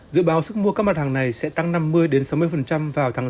dự báo sức mua các mặt hàng này sẽ tăng năm mươi sáu mươi vào tháng sáu